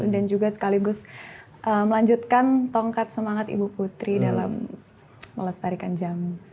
dan juga sekaligus melanjutkan tongkat semangat ibu putri dalam melestarikan jamu